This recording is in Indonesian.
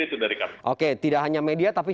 itu dari kpk oke tidak hanya media tapi